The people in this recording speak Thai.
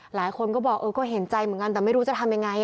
หลายคนก็บอกเออก็เห็นใจเหมือนกันแต่ไม่รู้จะทำยังไง